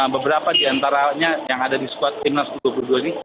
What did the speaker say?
beberapa di antaranya yang ada di squad timnas u dua puluh dua ini